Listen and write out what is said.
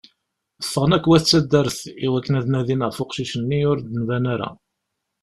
Ffɣen akk wat taddart i wakken ad nadin ɣef uqcic-nni ur d-nban ara.